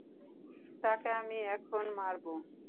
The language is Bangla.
তাকে আমি এখন মারবো?